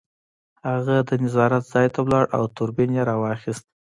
هغه د نظارت ځای ته لاړ او دوربین یې راواخیست